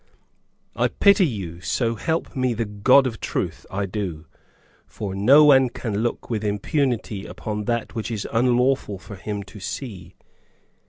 I pity you, so help me the God of Truth, I do; for no one can look with impunity upon that which it is unlawful for him to see.